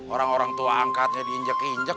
orang orang tua angkatnya diinjek injek